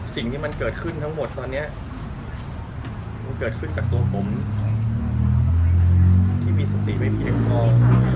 สิ่งที่มันเกิดขึ้นทั้งหมดตอนนี้มันเกิดขึ้นกับตัวผมที่มีสติไม่เพียงพอ